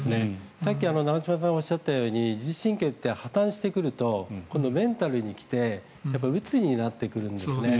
さっき長嶋さんがおっしゃったように自律神経って破たんしてくると今度メンタルに来てうつになってくるんですね。